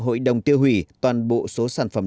hội đồng tiêu hủy toàn bộ số sản phẩm